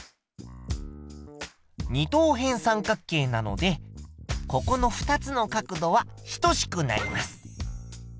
二等辺三角形なのでここの２つの角度は等しくなります。